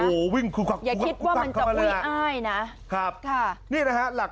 โหวิ่งอย่าคิดมันจะอุ้ยอ้ายนะครับค่ะนี่นะฮะหลัก